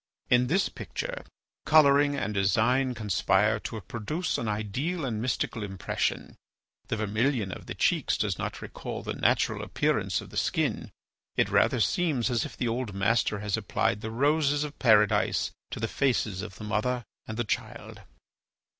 In this picture, colouring and design conspire to produce an ideal and mystical impression. The vermilion of the cheeks does not recall the natural appearance of the skin; it rather seems as if the old master has applied the roses of Paradise to the faces of the Mother and the Child."